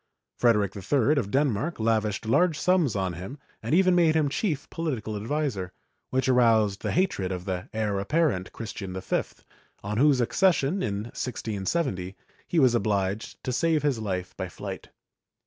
Frederic III of Denmark lavished large sums on him and even made him chief political adviser, which aroused the hatred of the heir apparent, Christian V, on whose accession, in 1670, he was obliged to save his life by flight.